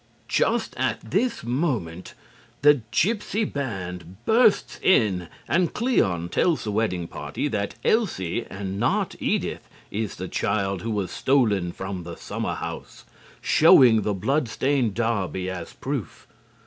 Just at this moment the gypsy band bursts in and Cleon tells the wedding party that Elsie and not Edith is the child who was stolen from the summer house, showing the blood stained derby as proof.